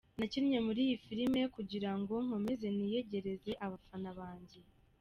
Nakinnye muri iyi filimi kugira ngo nkomeze niyegereze abafana banjye.